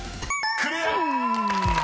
［クリア！］